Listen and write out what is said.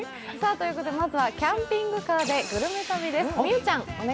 まずは「キャンピングカーでグルメ旅」です。